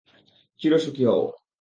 চির সুখী হও।